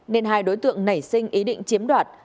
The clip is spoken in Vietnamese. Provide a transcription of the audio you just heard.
nên hai đối tượng nảy sinh ý định chiếm đoạt